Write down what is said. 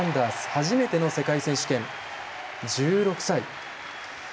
初めての世界選手権、１６歳。